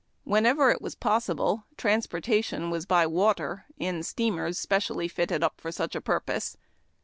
Whenever it was possible, transportation was by water, in steamers specially fitted up for such a purpose.